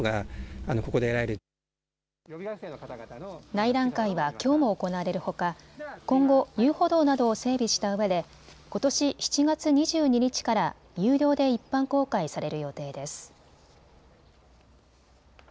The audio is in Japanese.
内覧会はきょうも行われるほか今後、遊歩道などを整備したうえでことし７月２２日から有料で一般公開される予定です。